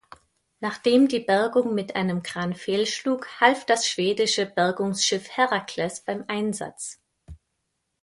Nachdem die Bergung mit einem Kran fehlschlug half das schwedische Bergungsschiff "Herakles" beim Einsatz.